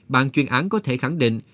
bạn chuyên án có thể khẳng định